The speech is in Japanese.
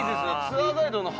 ツアーガイドの。